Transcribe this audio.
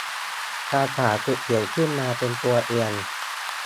คาถาถูกเขียนขึ้นมาเป็นตัวเอียง